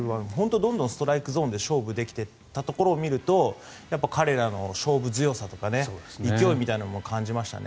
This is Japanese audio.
どんどんストライクゾーンで勝負できていたところを見ると彼らの勝負強さとか勢いみたいなものを感じましたね。